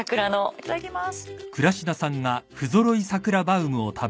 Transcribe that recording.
いただきます。